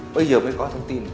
bây giờ mới có thông tin